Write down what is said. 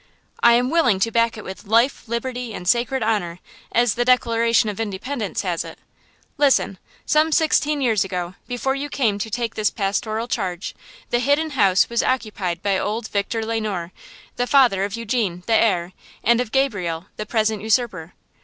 "I am willing to back it with 'life, liberty and sacred honor,' as the Declaration of Independence has it. Listen: Some sixteen years ago, before you came to take this pastoral charge, the Hidden House was occupied by old Victor Le Noir, the father of Eugene, the heir, and of Gabriel, the present usurper.